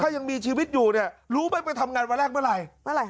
ถ้ายังมีชีวิตอยู่เนี่ยรู้ไหมไปทำงานวันแรกเมื่อไหร่